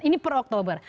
ini per oktober